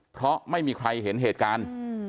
เพราะไม่มีใครเห็นเหตุการณ์